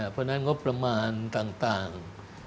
เพราะฉะนั้นงบประมาณต่าง